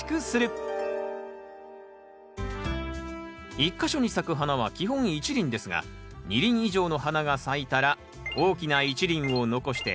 １か所に咲く花は基本１輪ですが２輪以上の花が咲いたら大きな１輪を残して他は摘み取ります。